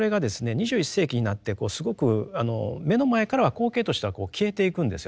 ２１世紀になってすごく目の前からは光景としては消えていくんですよね。